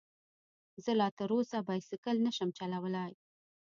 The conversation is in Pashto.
زه لا تر اوسه بايسکل نشم چلولی